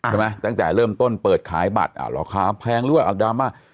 ใช่ไหมตั้งแต่เริ่มต้นเปิดขายบัตรอ่าหรอค้าแพงเรื่อยอ่ะอ่าดราม่า